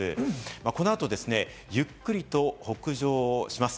この後、ゆっくりと北上をします。